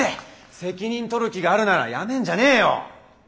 責任取る気があるなら辞めんじゃねえよ。